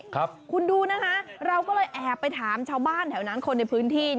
คุณดูนะคะเราก็เลยแอบไปถามชาวบ้านแถวนั้นคนในพื้นที่